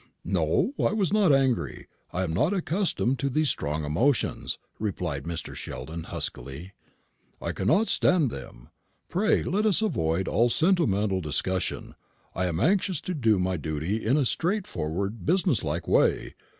"No, I was not angry. I am not accustomed to these strong emotions," replied Mr. Sheldon, huskily; "I cannot stand them. Pray let us avoid all sentimental discussion. I am anxious to do my duty in a straightforward, business like way.